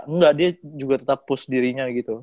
enggak dia juga tetap push dirinya gitu